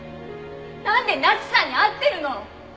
なんで奈津さんに会ってるの！？